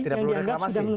tidak perlu reklamasi